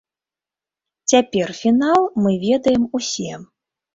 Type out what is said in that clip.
Цяпер фінал мы ведаем усе.